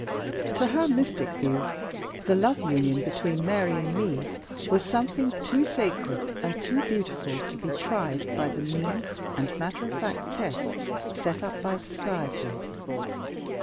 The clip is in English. To her mystic view, the love union between Mary and me was something too sacred and too beautiful to be tried by the mean and matter of fact tests set up by society.